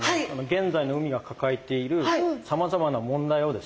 現在の海が抱えているさまざまな問題をですね